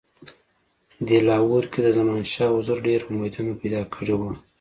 د لاهور کې د زمانشاه حضور ډېر امیدونه پیدا کړي وه.